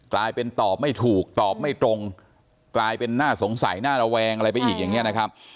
กลายเป็นตอบไม่ถูกตอบไม่ตรงกลายเป็นน่าสงสัยน่าระแวงอะไรไปอีกอย่างนี้นะครับ